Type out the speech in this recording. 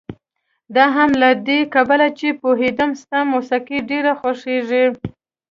دا هم له دې کبله چې پوهېدم ستا موسيقي ډېره خوښېږي.